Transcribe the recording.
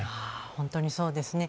本当にそうですね。